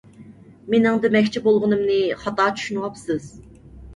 مېنىڭ دېمەكچى بولغىنىمنى خاتا چۈشىنىۋاپسىز!